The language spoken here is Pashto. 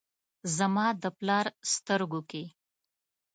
زما د پلار سترګو کې ،